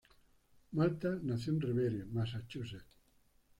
Malta nació en Revere, Massachusetts.